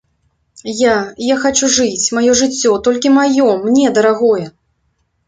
Я, я хачу жыць, маё жыццё, толькі маё, мне дарагое.